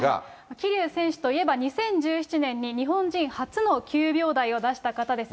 桐生選手といえば、２０１７年に日本人初の９秒台を出した方です。